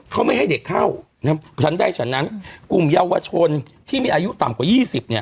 เขาไม่ให้เด็กเข้าครับกลุ่มเยาวชนที่มีอายุต่ำกว่ายี่สิบเนี้ย